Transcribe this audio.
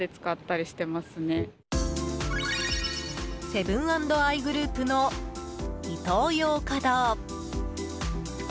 セブン＆アイグループのイトーヨーカドー。